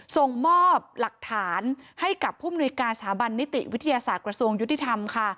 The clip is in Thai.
ส่งมอบหลักฐานให้กับผู้มนุยการสถาบันนิติวิทยาศาสตร์กระทรวงยุติธรรมค่ะ